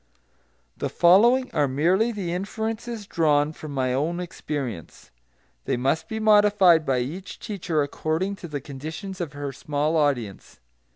The following are merely the inferences drawn from my own experience. They must be modified by each teacher according to the conditions of her small audience.